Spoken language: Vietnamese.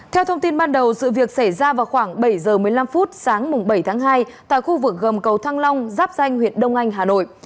theo thông tin ban đầu sự việc xảy ra vào khoảng bảy giờ một mươi năm phút sáng bảy tháng hai tại khu vực gầm cầu thăng long giáp danh huyện đông anh hà nội